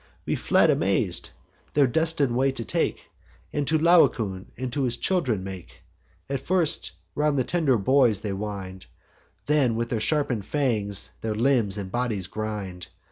We fled amaz'd; their destin'd way they take, And to Laocoon and his children make; And first around the tender boys they wind, Then with their sharpen'd fangs their limbs and bodies grind.